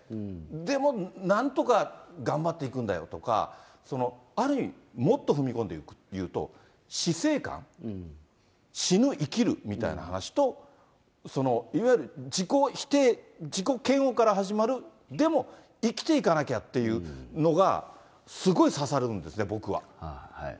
でもなんとか頑張っていくんだよとか、ある意味、もっと踏み込んで言うと、死生観、死ぬ、生きるみたいな話と、そのいわゆる自己否定、自己嫌悪から始まる、でも生きていかなきゃっていうのがすごい刺さるんですね、僕は。